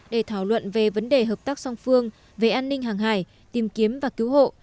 để thảo luận về vấn đề hợp tác song phương về an ninh hàng hải tìm kiếm và cứu hộ